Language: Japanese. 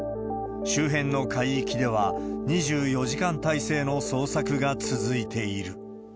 周辺の海域では、２４時間態勢の捜索が続いている。